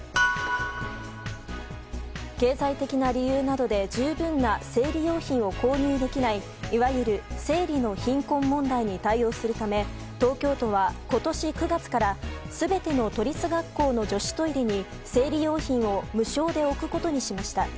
経済的な理由などで十分な生理用品を購入できないいわゆる生理の貧困問題に対応するため東京都は、今年９月から全ての都立学校の女子トイレに生理用品を無償で置くことにしました。